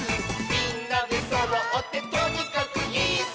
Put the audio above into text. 「みんなでそろってとにかくイス！」